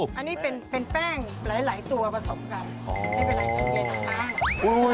อันนี้เป็นแป้งหลายตัวผสมกัน